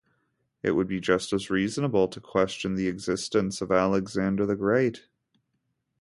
It would be just as reasonable to question the existence of Alexander the Great.